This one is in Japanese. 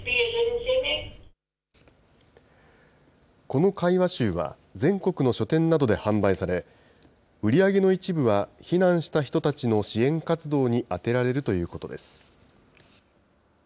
この会話集は、全国の書店などで販売され、売り上げの一部は避難した人たちの支援活動に充てられるということです。